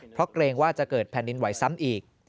เพราะเกรงว่าจะเกิดแผ่นดินไหวซ้ำอีก